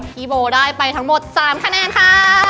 พี่โบได้ไปทั้งหมด๓คะแนนค่ะ